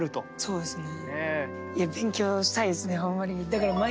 そうですね。